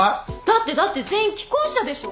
だってだって全員既婚者でしょ？